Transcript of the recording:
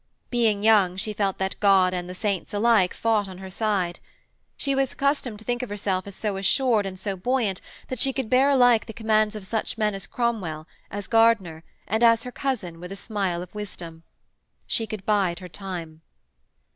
Being young she felt that God and the saints alike fought on her side. She was accustomed to think of herself as so assured and so buoyant that she could bear alike the commands of such men as Cromwell, as Gardiner and as her cousin with a smile of wisdom. She could bide her time.